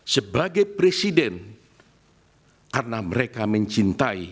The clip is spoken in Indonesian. sebagai presiden karena mereka mencintai